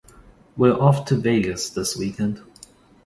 We’re off to Vegas this weekend.